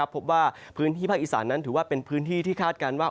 พบว่าพื้นที่ภาคอีสานนั้นถือว่าเป็นพื้นที่ที่คาดการณ์ว่า